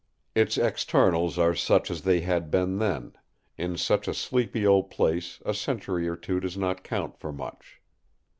Its externals are such as they had been then; in such a sleepy old place a century or two does not count for much.